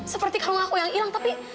seperti kamu aku yang hilang tapi